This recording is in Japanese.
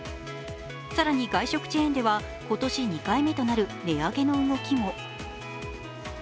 更に外食チェーンでは今年２回目となる値上げの動きも。